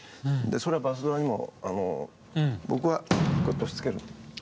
それはバスドラにもあの僕はこうやって押しつける。